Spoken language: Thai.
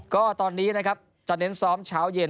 ก็ตอนนี้นะครับจะเน้นซ้อมเช้าเย็น